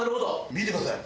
見てください。